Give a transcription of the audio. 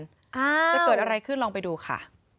จะเกิดอะไรขึ้นลองไปดูค่ะ